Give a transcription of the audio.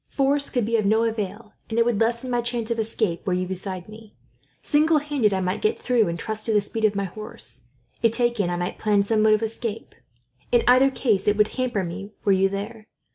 Force could be of no avail, and it would lessen my chance of escape, were you beside me. Single handed I might get through, and trust to the speed of my horse. If taken, I might plan some mode of escape. In either case it would hamper me, were you there.